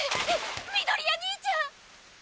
緑谷兄ちゃん！